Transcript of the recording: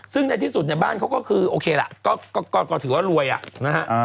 ซึ่งในที่สุดเนี่ยบ้านเขาก็คือโอเคล่ะก็ถือว่ารวยอ่ะนะฮะ